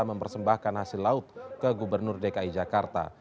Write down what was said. mempersembahkan hasil laut ke gubernur dki jakarta